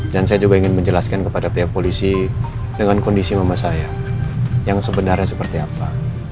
dan saya juga ingin menjelaskan kepada pihak polisi dengan kondisi mama saya yang sebenarnya seperti apa